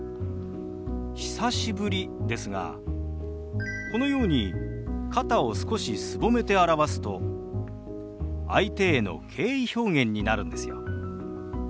「久しぶり」ですがこのように肩を少しすぼめて表すと相手への敬意表現になるんですよ。